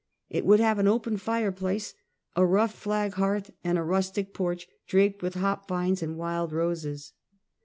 It would have an open fire place, a rough flag hearth, and a rustic porch, draped with hop vines and wild roses.